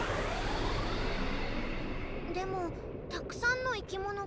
でもたくさんの生き物がいるけど。